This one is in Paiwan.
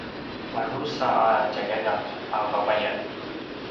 madrusa a tjaljaljak a vavayan